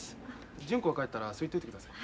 純子が帰ったらそう言っといてください。